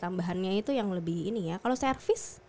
tambahannya itu yang lebih ini ya kalau servis